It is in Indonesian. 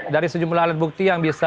dari sejumlah alat bukti yang bisa